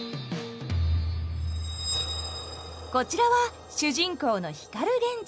こちらは主人公の光源氏。